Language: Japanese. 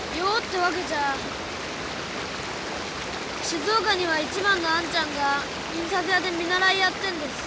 静岡には一番のあんちゃんが印刷屋で見習いやってんです。